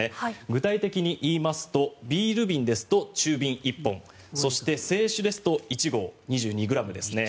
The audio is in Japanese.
具体的に言いますとビール瓶ですと中瓶１本そして、清酒ですと１合２２ｇですね。